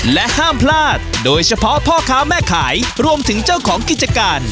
และห้ามพลาดโดยเฉพาะพ่อค้าแม่ขายรวมถึงเจ้าของกิจการ